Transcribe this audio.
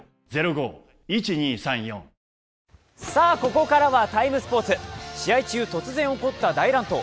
ここからは「ＴＩＭＥ，スポーツ」試合中、突然起こった大乱闘。